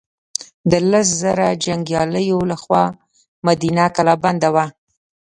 د لس زره جنګیالیو له خوا مدینه کلا بنده وه.